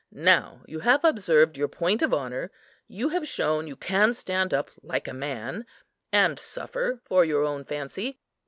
Now you have observed your point of honour; you have shown you can stand up like a man, and suffer for your own fancy.